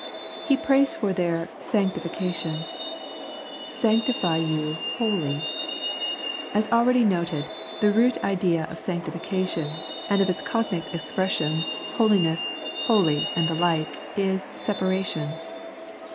He prays for their sanctifi cation —" Sanctify you wholly." As already noted, the root idea of sanctification, and of its cognate expres sions, " holiness," " holy," and the like, is separation.